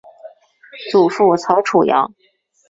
祖父曹楚阳。